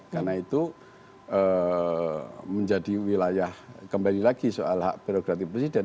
karena itu menjadi wilayah kembali lagi soal hak birokrati presiden